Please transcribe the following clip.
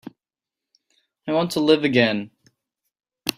I want to live again.